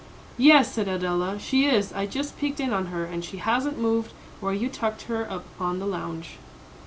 "Yes," said Adela, "she is. I just peeked in on her, and she hasn't moved where you tucked her up on the lounge."